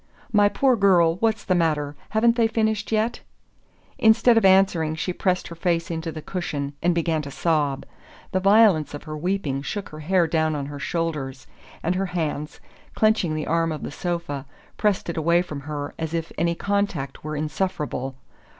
"My poor girl, what's the matter? Haven't they finished yet?" Instead of answering she pressed her face into the cushion and began to sob. The violence of her weeping shook her hair down on her shoulders, and her hands, clenching the arm of the sofa, pressed it away from her as if any contact were insufferable.